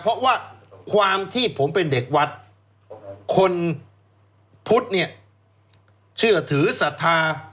เพราะว่าความที่ผมเป็นเด็กวัดคนพุทธเนี่ยเชื่อถือศรัทธา